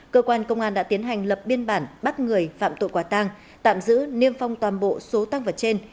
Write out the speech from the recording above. cơ quan công an đã tiến hành lập biên bản bắt người phạm tội quả tang tạm giữ niêm phong toàn bộ số tăng vật trên